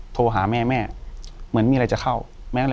อยู่ที่แม่ศรีวิรัยิลครับ